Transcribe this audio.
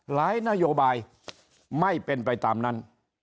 นโยบายไม่เป็นไปตามนั้น